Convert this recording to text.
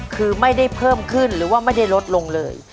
คือไม่ได้เพิ่มขึ้นหรือว่าไม่ได้ลดลงเลย